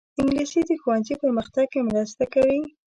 انګلیسي د ښوونځي پرمختګ کې مرسته کوي